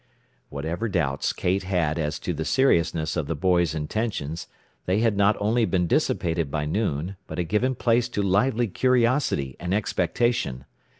Whatever doubts Kate had as to the seriousness of the boys' intentions, they had not only been dissipated by noon, but had given place to lively curiosity and expectation.